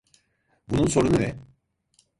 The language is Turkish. Bunun sorunu ne?